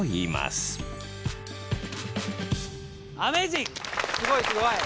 すごいすごい。